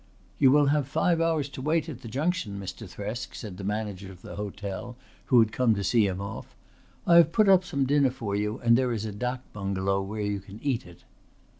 "You will have five hours to wait at the junction, Mr. Thresk," said the manager of the hotel, who had come to see him off. "I have put up some dinner for you and there is a dâk bungalow where you can eat it."